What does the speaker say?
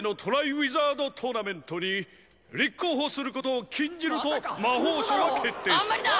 ウィザード・トーナメントに立候補することを禁じるとまさか嘘だろあんまりだ！